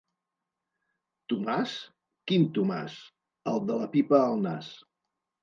Tomàs? / —Quin Tomàs? / —El de la pipa al nas.